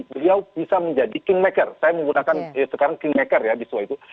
beliau bisa menjadi kingmaker saya menggunakan sekarang kingmaker ya di semua itu